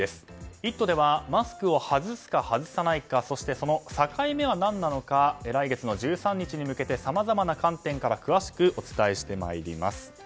「イット！」ではマスクを外すか外さないかそして、その境目は何なのか来月の１３日に向けてさまざまな観点から詳しくお伝えしてまいります。